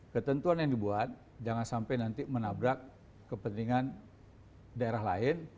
ketentuan yang dibuat jangan sampai nanti menabrak kepentingan daerah lain